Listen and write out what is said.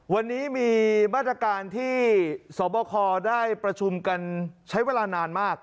วันนี้มีมาตรการที่สบคได้ประชุมกันใช้เวลานานมาก